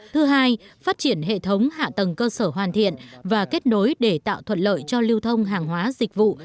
thứ hai phát triển hệ thống hạ tầng cơ sở hoàn thiện và kết nối để tạo thuận lợi cho lưu thông hàng hóa dịch vụ